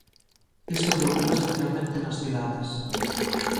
Isto preocupa especialmente nas cidades.